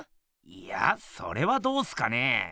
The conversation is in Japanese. いやそれはどうっすかね？